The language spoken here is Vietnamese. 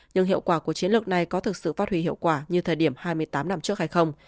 nhưng hiệu quả của chiến lược này có thực sự phát huy hiệu quả như thời điểm hai mươi tám năm trước hay không